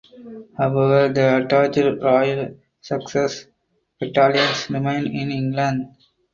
However the attached Royal Sussex battalions remained in England.